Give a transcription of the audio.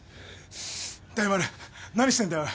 大丸何してんだよおい！